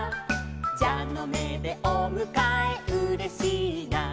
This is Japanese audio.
「じゃのめでおむかえうれしいな」